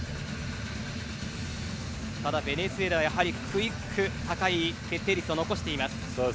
ただ、ベネズエラはやはりクイック高い決定率を残しています。